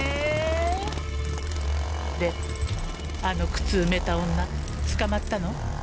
あの靴埋めた女捕まったの？